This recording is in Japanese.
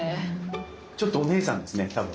ちょっとお姉さんですね多分。